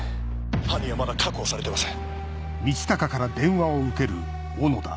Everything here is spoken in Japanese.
犯人はまだ確保されてません。